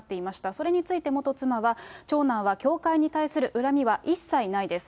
それについて元妻は、長男は教会に対する恨みは一切ないです。